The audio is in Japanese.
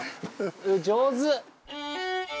上手！